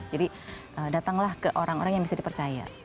jadi datanglah ke orang orang yang bisa dipercaya